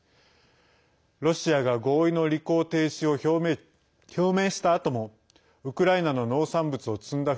ロシアが合意の履行停止を表明したあともウクライナの農産物を積んだ